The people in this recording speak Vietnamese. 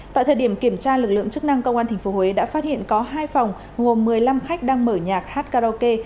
tại thời điểm kiểm tra lực lượng chức năng công an tp huế đã phát hiện có hai phòng gồm một mươi năm khách đang mở nhạc hát karaoke